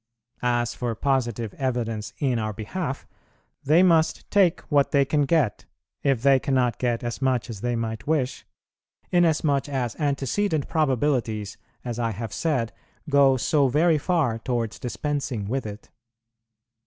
As for positive evidence in our behalf, they must take what they can get, if they cannot get as much as they might wish, inasmuch as antecedent probabilities, as I have said, go so very far towards dispensing with it.